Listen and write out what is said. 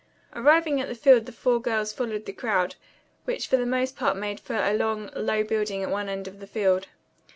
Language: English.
Arriving at the field the four girls followed the crowd, which for the most part made for a long, low building at one end of the field.